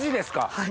はい。